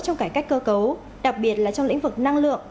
trong cải cách cơ cấu đặc biệt là trong lĩnh vực năng lượng